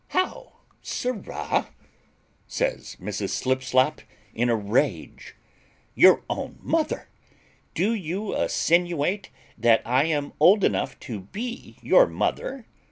"How, sirrah!" says Mrs. Slipslop in a rage; "your own mother? Do you assinuate that I am old enough to be your mother?